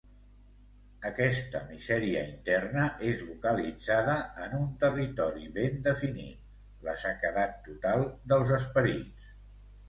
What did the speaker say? Aquesta misèria interna és localitzada en un territori ben definit, la sequedat total dels esperits.